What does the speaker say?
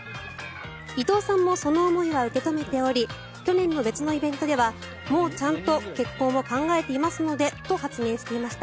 伊藤さんもその思いは受け止めており去年の別のイベントではもうちゃんと結婚を考えていますのでと発言していました。